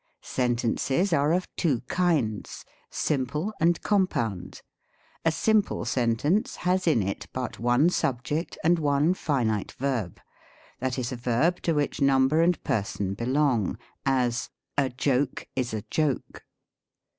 Sentences are of two kinds, simple and compound. A simple sentence has in it but one subject and one finite verb ; that is, a verb to which number and per son belong : as, " A joke is a joke."